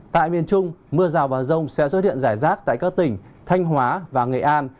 tại miền trung mưa rào và rông sẽ xuất hiện rải rác tại các tỉnh thanh hóa và nghệ an